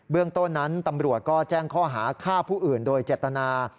เรื่องต้นนั้นตำรวจก็แจ้งข้อหาฆ่าผู้อื่นโดยเจตนา